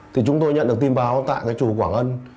thì chúng tôi nhận được tin báo tại cái chùa quảng ân